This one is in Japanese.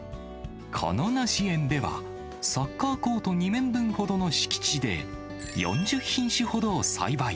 この梨園では、サッカーコート２面分ほどの敷地で、４０品種ほどを栽培。